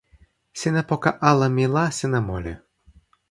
sina poka ala mi la sina moli.